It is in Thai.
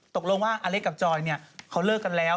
ตกลงว่าอเล็กกับจอยเขาเลิกกันแล้ว